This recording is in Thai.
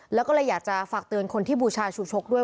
แล้วก็เลยอยากจะฝากเตือนคนที่บูชาชูชกด้วย